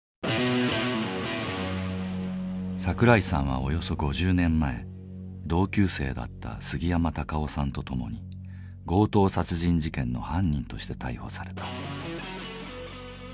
桜井さんはおよそ５０年前同級生だった杉山卓男さんと共に強盗殺人事件の犯人として逮捕された。